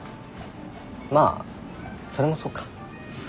まあそれもそうか。